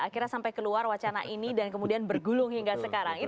akhirnya sampai keluar wacana ini dan kemudian bergulung hingga sekarang